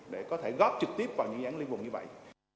để có thể góp trực tiếp vào những dự án liên vùng như vậy